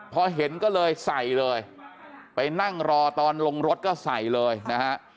พอเห็นก็เลยใส่เลยไปนั่งรอตอนลงรถก็ใส่เลยนะฮะ